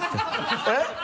えっ？